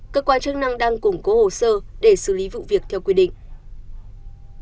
cơ quan chức năng đang củng cố hồ sơ để xử lý vụ việc theo quy định